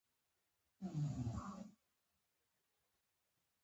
د هرات په کهسان کې څه شی شته؟